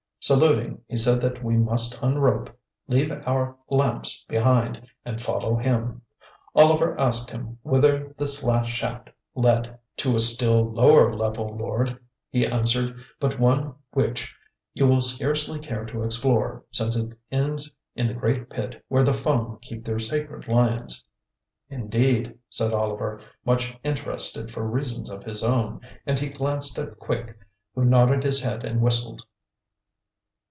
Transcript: Saluting, he said that we must unrope, leave our lamps behind, and follow him. Oliver asked him whither this last shaft led. "To a still lower level, lord," he answered, "but one which you will scarcely care to explore, since it ends in the great pit where the Fung keep their sacred lions." "Indeed," said Oliver, much interested for reasons of his own, and he glanced at Quick, who nodded his head and whistled.